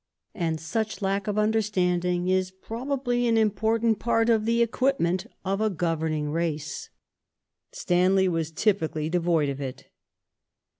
And such lack of understanding is probably an important part of the equipment of a governing race. Stanley was typically devoid of it.